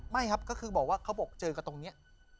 ไม่ครับเป็นแบบบอกว่าเจอกับตรงนี้